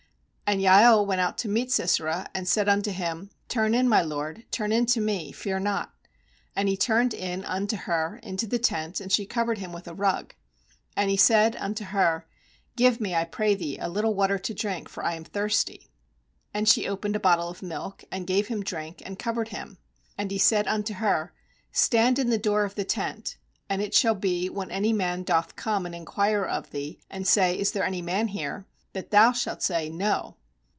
18And Jael went out to meet Sisera, and said unto him :' Turn in, my lord, turn in to me; fear not/ And he turned in unto her into the tent, and she cov ered him with a rug 19And he said unto her: fGive me, I pray thee, a little water to drink; for I am thirsty. ' And she opened a bottle of milk, and gave Mm drink, and covered him. 20And he said unto her: 'Stand in the door of the tent, and it shall be, when any man doth come and inquire of thee, and say: Is there any man here? that thou shalt say: No.'